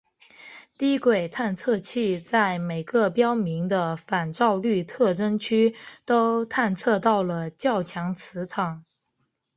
低轨探测器在每个标明的反照率特征区都探测到了较强磁场。